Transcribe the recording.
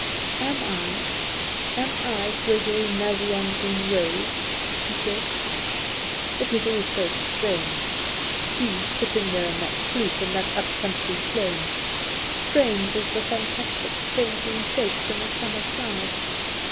"Am I, am I Gregory Nazianzen Rose?" he said. It was also strange, he sitting there in that sloot in that up country plain! strange as the fantastic, changing shapes in a summer cloud.